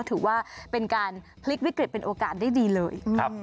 ถือว่าเป็นการพลิกวิกฤตเป็นโอกาสได้ดีเลย